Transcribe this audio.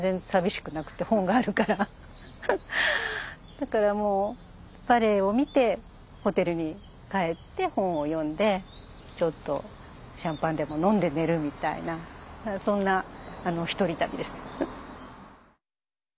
だからもうバレエを見てホテルに帰って本を読んでちょっとシャンパンでも飲んで寝るみたいなそんな一人旅です。